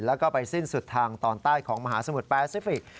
แล้วก็ไปสิ้นสุดทางตอนใต้ของมหาสมุทรแปซิฟิกส